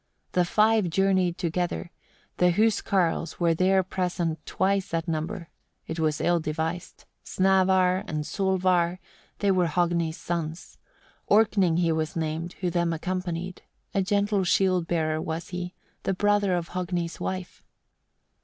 The five journeyed together, of "hus carls" there were present twice that number it was ill devised Snævar and Solar, they were Hogni's sons; Orkning he was named, who them accompanied, a gentle shield bearer was he, the brother of Hogni's wife.